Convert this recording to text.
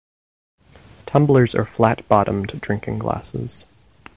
Tumblers are flat-bottomed drinking glasses.